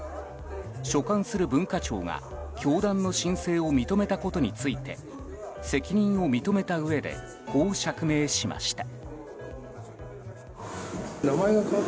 所管する文化庁が教団の申請を認めたことについて責任を認めたうえでこう釈明しました。